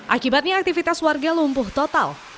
akibatnya aktivitas warga lumpuh total